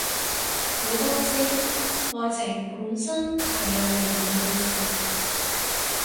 你都知，愛情本身係樣微妙嘅事